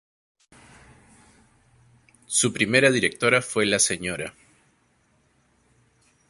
Su primera directora fue la Sra.